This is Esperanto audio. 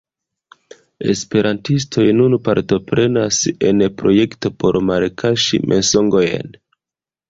Esperantistoj nun partoprenas en projekto por malkaŝi mensogojn.